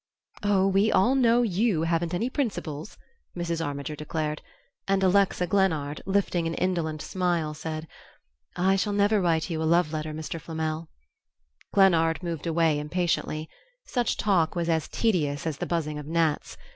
"Oh, we all know you haven't any principles," Mrs. Armiger declared; and Alexa Glennard, lifting an indolent smile, said: "I shall never write you a love letter, Mr. Flamel." Glennard moved away impatiently. Such talk was as tedious as the buzzing of gnats.